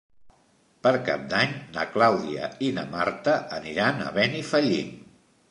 Per Cap d'Any na Clàudia i na Marta aniran a Benifallim.